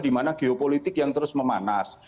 dimana geopolitik yang terus memanas